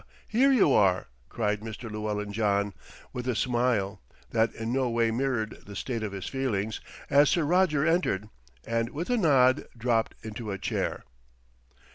here you are," cried Mr. Llewellyn John with a smile, that in no way mirrored the state of his feelings, as Sir Roger entered, and with a nod dropped into a chair.